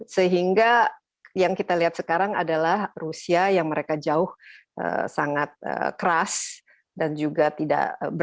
sehingga yang kita lihat sekarang adalah rusia yang mereka jauh sangat keras dan juga tidak berhasil